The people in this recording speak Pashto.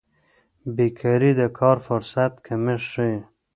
بیکاري د کار فرصت کمښت ښيي.